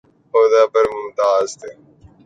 عہدہ پر ممتاز تھے